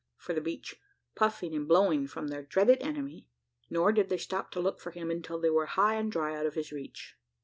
for the beach, puffing and blowing, from their dreaded enemy; nor did they stop to look for him until they were high and dry out of his reach.